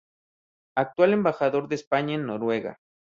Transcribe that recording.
Actual embajador de España en Noruega.